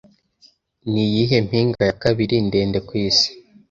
Niyihe mpinga ya kabiri ndende kwisi